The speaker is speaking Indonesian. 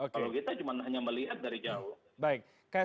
kalau kita cuma hanya melihat dari jauh